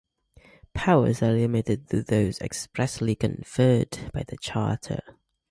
Powers are limited to those expressly conferred by the Charter.